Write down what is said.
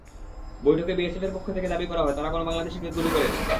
বৈঠকে বিএসএফের পক্ষ থেকে দাবি করা হয়, তারা কোনো বাংলাদেশিকে গুলি করেনি।